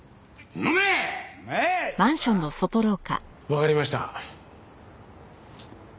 わかりました。